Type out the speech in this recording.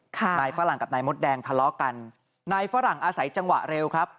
นายฝรั่งกับนายมดแดงทะเลาะกันนายฝรั่งอาศัยจังหวะเร็วครับ